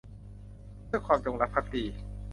ด้วยความจงรักภักดี